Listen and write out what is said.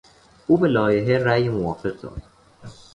او به لایحه رای موافق داد.